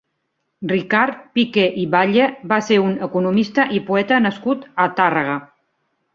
Ricard Piqué i Batlle va ser un economista i poeta nascut a Tàrrega.